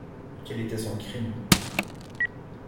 Quel était son crime?